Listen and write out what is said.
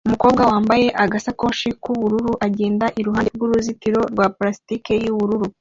Umukobwa wambaye agasakoshi k'ubururu agenda iruhande rw'uruzitiro rwa plastiki y'ubururu